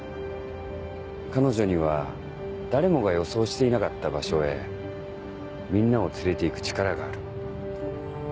彼女には誰もが予想していなかった場所へみんなを連れて行く力がある。